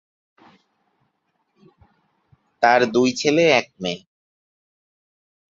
তার দুই ছেলে, এক মেয়ে।